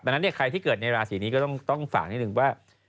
ดังนั้นเนี้ยใครที่เกิดในราศีนี้ก็ต้องฝันหนึ่งว่า